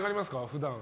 普段。